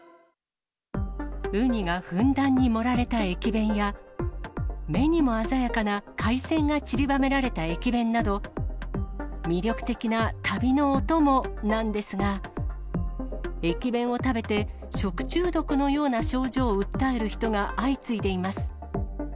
ウニがふんだんに盛られた駅弁や、目にも鮮やかな海鮮がちりばめられた駅弁など、魅力的な旅のお供なんですが、駅弁を食べて、食中毒のような症状を訴える人が相次いでいます。